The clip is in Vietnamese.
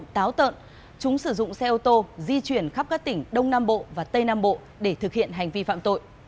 táo tợn chúng sử dụng xe ô tô di chuyển khắp các tỉnh đông nam bộ và tây nam bộ để thực hiện hành vi phạm tội